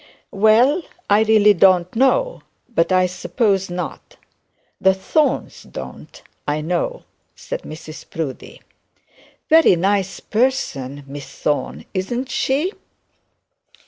'Well, I really don't know; but I suppose not. The Thorne don't, I know,' said Mrs Proudie. 'Very nice person, Miss Thorne, isn't she?'